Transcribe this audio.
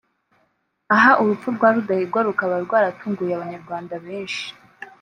Aha urupfu rwa Rudahigwa rukaba rwaratunguye Abanyarwanda benshi